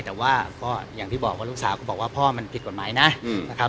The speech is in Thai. แต่ว่าก็อย่างที่บอกว่าลูกสาวก็บอกว่าพ่อมันผิดกฎหมายนะนะครับ